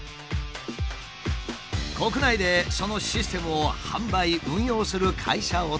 国内でそのシステムを販売運用する会社を訪ねた。